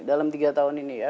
dalam tiga tahun ini ya